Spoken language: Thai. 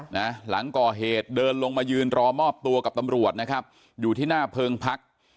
หลังก่อเหตุเดินลงมายืนรอมอบตัวกับตำรวจนะครับอยู่ที่หน้าเพิงพัก